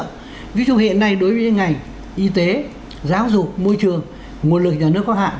những ngành y tế giáo dục môi trường nguồn lực nhà nước có hạn